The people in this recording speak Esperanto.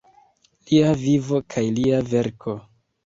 Lia vivo kaj lia verko.